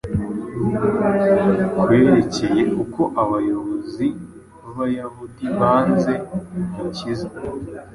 kwerekeye uko abayobozi b’Abayahudi banze Umukiza.